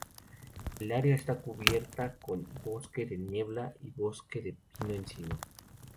El área está cubierta con bosque de niebla y bosque de pino-encino.